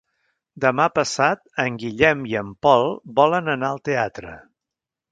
Demà passat en Guillem i en Pol volen anar al teatre.